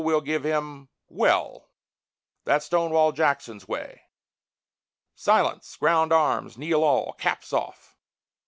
we'll give him " well! That's "Stonewall Jackson's way." Silence! ground arms! kneel all! caps off!